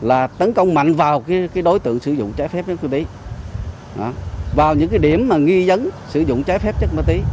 là tấn công mạnh vào đối tượng sử dụng trái phép chất ma túy vào những điểm nghi dấn sử dụng trái phép chất ma túy